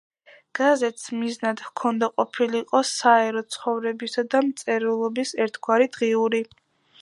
გაზეთს მიზნად ჰქონდა ყოფილიყო საერო ცხოვრებისა და მწერლობის ერთგვარი დღიური.